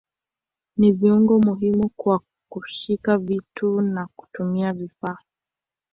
Ni viungo muhimu kwa kushika vitu na kutumia vifaa.